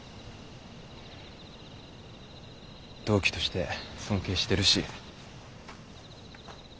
同期として尊敬してるし。